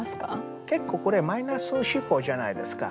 結構これマイナス思考じゃないですか。